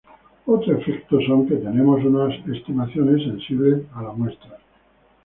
Otro efecto son que tenemos unas estimaciones sensibles a la muestra.